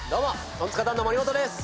トンツカタンの森本です。